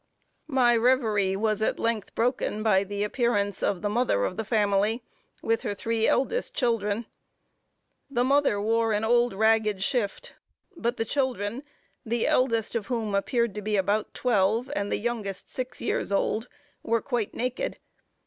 My revery was at length broken by the appearance of the mother of the family, with her three eldest children. The mother wore an old ragged shift; but the children, the eldest of whom appeared to be about twelve, and the youngest six years old, were quite naked.